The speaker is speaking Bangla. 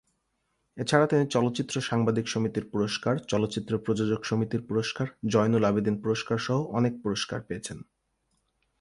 এছাড়া তিনি চলচ্চিত্র সাংবাদিক সমিতির পুরস্কার, চলচ্চিত্র প্রযোজক সমিতির পুরস্কার, জয়নুল আবেদীন পুরস্কারসহ অনেক পুরস্কার পেয়েছেন।